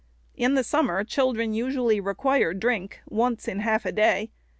In the summer, children usually require drink once in half a day.